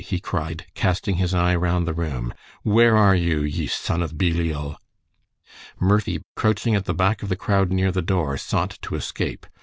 he cried, casting his eye round the room, "where are you, ye son of Belial?" Murphy, crouching at the back of the crowd near the door, sought to escape.